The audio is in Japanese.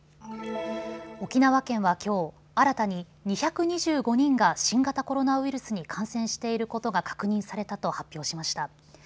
沖縄県はきょう新たに２２５人が新型コロナウイルスに感染していることが確認されたと発表しました。